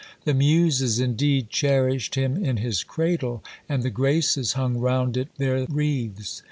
The Muses indeed cherished him in his cradle, and the Graces hung round it their wreaths.